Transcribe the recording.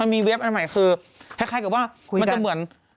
มีเว็บอันใหม่คือคล้ายกับว่ามันจะเหมือน